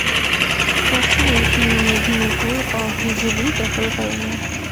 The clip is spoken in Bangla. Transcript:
অচিরেই তিনি মেদিনীপুর ও হিজলি দখল করে নেন।